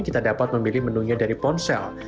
kita dapat memilih menunya dari ponsel